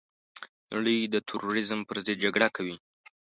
نړۍ د تروريزم پرضد جګړه کوي.